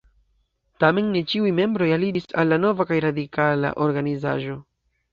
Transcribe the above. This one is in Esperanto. Tamen ne ĉiuj membroj aliĝis al la nova kaj radikala organizaĵo.